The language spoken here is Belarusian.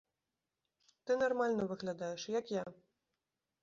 Ты нармальна выглядаеш, як я!